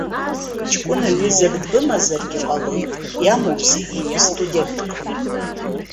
Ҷкәына ҩызак дбымазаргьы ҟалоит, иамоузеи, быстуденткоуп.